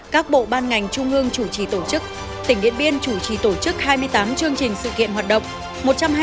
các bộ ban ngành trung ương chủ trì tổ chức tỉnh điện biên chủ trì tổ chức hai mươi tám chương trình sự kiện hoạt động